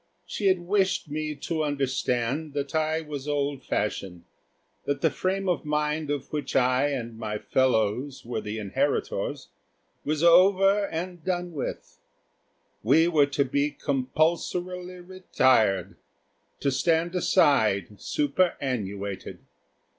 She had wished me to understand that I was old fashioned; that the frame of mind of which I and my fellows were the inheritors was over and done with. We were to be compulsorily retired; to stand aside superannuated.